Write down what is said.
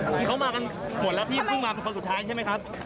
คือเขามากันหมดแล้วพี่เพิ่งมาเป็นคนสุดท้ายใช่ไหมครับ